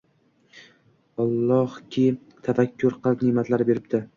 Allohki til, tafakkur, qalb neʼmatlarini beribdi